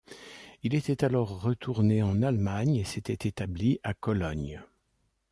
Il était alors retourné en Allemagne et s'était établi à Cologne.